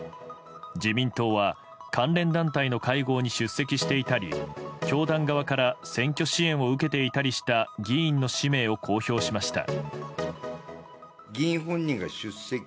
自民党は関連団体の会合に出席していたり教団側から選挙支援を受けていたりした議員の氏名を公表しました。